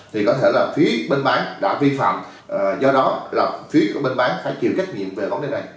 thì có thể là phía bên bán đã vi phạm do đó là phía của bên bán phải chịu trách nhiệm về vấn đề này